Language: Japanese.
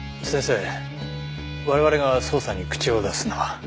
先生我々が捜査に口を出すのは。